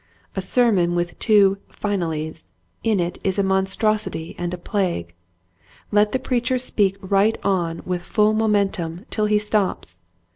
A sermon with two "finallys" in it is a monstrosity and a plague. Let the preacher speak right on with full momentum till he stops.